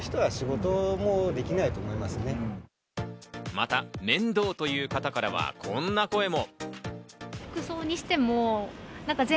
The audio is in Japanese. また、面倒という方からはこんな声も。